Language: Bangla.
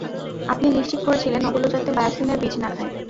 আপনি নিশ্চিত করেছিলেন ওগুলো যাতে বায়োসিনের বীজ না খায়।